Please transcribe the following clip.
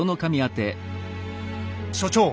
所長。